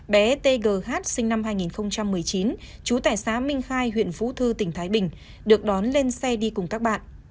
bé t g h sinh năm hai nghìn một mươi chín chú tài xá minh khai huyện phú thư tỉnh thái bình được đón lên xe đi cùng các bạn